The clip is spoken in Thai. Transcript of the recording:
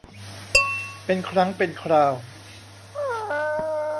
เป็นครั้งเป็นคราว